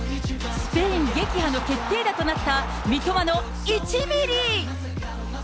スペイン撃破の決定打となった、三笘の一ミリ。